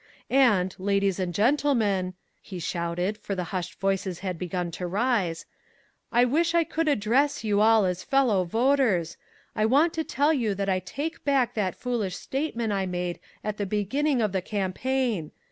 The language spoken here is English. "And, ladies and gentlemen " he shouted, for the hushed voices had begun to rise "I wish I could address you all as fellow voters! I want to tell you that I take back that foolish statement I made at the opening of the campaign.